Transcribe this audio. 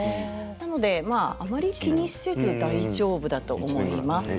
なので、あまり気にせず大丈夫だと思います。